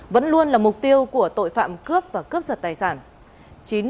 vẫn luôn là mục tiêu của tội phạm cướp và cướp giật tài sản